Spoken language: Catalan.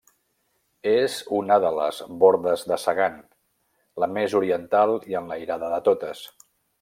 És una de les Bordes de Segan, la més oriental i enlairada de totes.